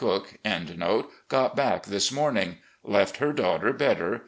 Caroline* got back this morning. Left her daughter better.